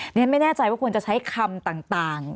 ฉันไม่แน่ใจว่าควรจะใช้คำต่าง